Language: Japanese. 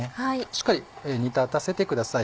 しっかり煮立たせてください。